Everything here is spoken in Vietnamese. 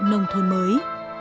nông thôn mới